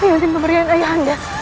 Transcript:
ayuntin pemberian ayah anda